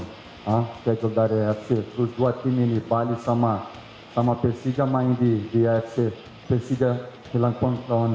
dan apa yang lebih baik untuk pemain bola dan para pemain dan para pendukung untuk bermain final